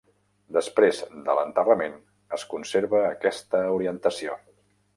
Després de l'enterrament, es conserva aquesta orientació.